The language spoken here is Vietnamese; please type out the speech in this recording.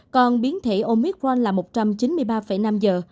còn biến thể omicron là một trăm chín mươi ba năm giờ